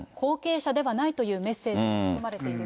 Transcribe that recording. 後継者ではないというメッセージが含まれていると。